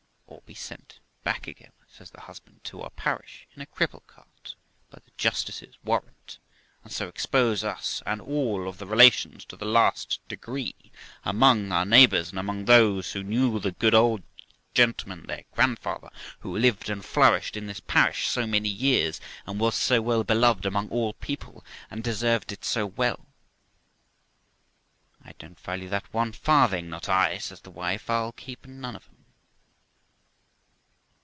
* Or be sent back again ', says the husband, ' to our parish in a cripple cart, by the justice's warrant, and so expose us and all the relations to the last degree among our neighbours, and among those who know the good old gentleman their grandfather, who lived and flourished in this parish so many years, and was so well beloved among all people, and deserved it so well.' 'I don't value that one farthing, not I' says the wife; 'I'll keep none of them.'